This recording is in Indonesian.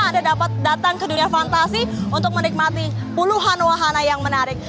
anda dapat datang ke dunia fantasi untuk menikmati puluhan wahana yang menarik